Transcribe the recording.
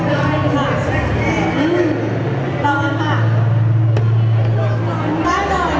ว้าวว้าวว้าวว้าวว้าวว้าวว้าวว้าวว้าวว้าว